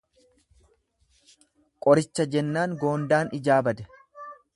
Qoricha jennaan goondaan ijaa bade.